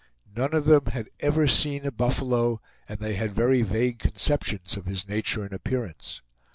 None of them had ever seen a buffalo and they had very vague conceptions of his nature and appearance.